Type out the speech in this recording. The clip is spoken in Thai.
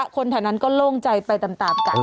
คนแถนนักูล่มใจไปตามกัน